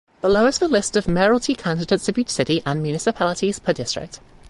Below is the list of mayoralty candidates of each city and municipalities per district.